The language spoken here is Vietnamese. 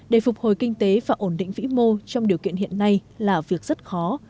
để phục hồi kinh tế và ổn định vĩ mô trong điều kiện hiện nay là việc rất khó